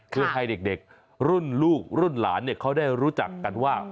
เพื่อให้เด็กรุ่นลูกรุ่นหลานเขาได้รู้จักกันว่า